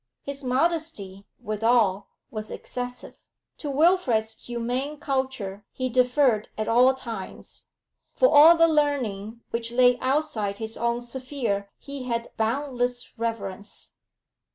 His modesty, withal, was excessive; to Wilfrid's humane culture he deferred at all times; for all the learning which lay outside his own sphere he had boundless reverence.